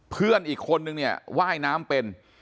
เพื่อนอีกคนนึงเนี่ยว่ายน้ำเป็น